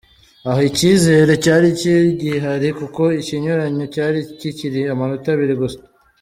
Aha icyizere cyari kigihari kuko ikinyuranyo cyari kikiri amanota abiri gusa.